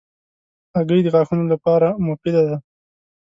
هګۍ د غاښونو لپاره مفیده ده.